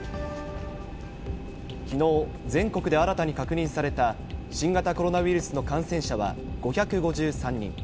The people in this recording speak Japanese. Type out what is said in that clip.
昨日全国で新たに確認された新型コロナウイルスの感染者は５５３人。